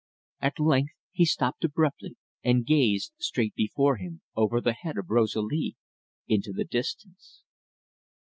At length he stopped abruptly, and gazed straight before him over the head of Rosalie into the distance.